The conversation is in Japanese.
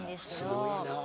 すごいな。